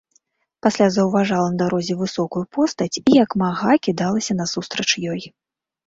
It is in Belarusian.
Пасля заўважала на дарозе высокую постаць і як мага кідалася насустрач ёй.